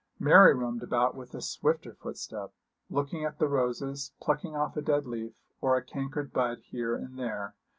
Mary roamed about with a swifter footstep, looking at the roses, plucking off a dead leaf, or a cankered bud here and there.